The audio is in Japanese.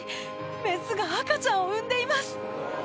メスが赤ちゃんを産んでいます。